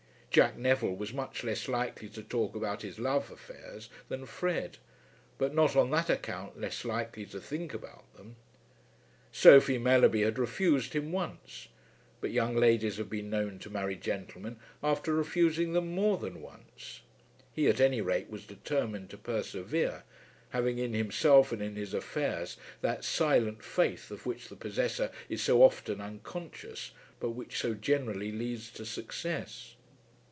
Jack Neville was much less likely to talk about his love affairs than Fred, but not on that account less likely to think about them. Sophie Mellerby had refused him once, but young ladies have been known to marry gentlemen after refusing them more than once. He at any rate was determined to persevere, having in himself and in his affairs that silent faith of which the possessor is so often unconscious, but which so generally leads to success.